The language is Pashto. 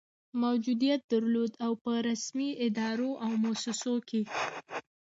موجودیت درلود، او په رسمي ادارو او مؤسسو کي